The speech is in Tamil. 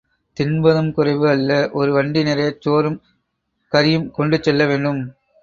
தின்பதும் குறைவு அல்ல ஒரு வண்டி நிறையச் சோறும் கறியும் கொண்டு செல்ல வேண்டும்.